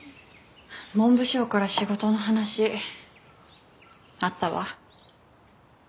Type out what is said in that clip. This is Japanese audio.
文部省から仕事の話あったわ。